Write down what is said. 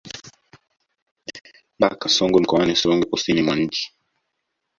Mpaka wa Songwe mkoani Songwe kusini mwa nchi